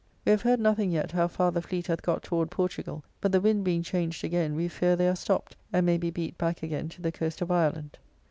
We have heard nothing yet how far the fleet hath got toward Portugall, but the wind being changed again, we fear they are stopped, and may be beat back again to the coast of Ireland.